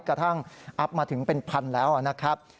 กระทั่งอัพมาถึงเป็นพันแล้วนะครับ